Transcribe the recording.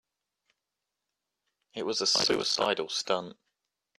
It was a suicidal stunt.